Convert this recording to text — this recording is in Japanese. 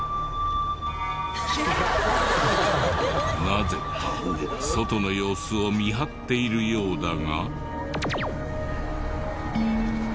なぜか外の様子を見張っているようだが。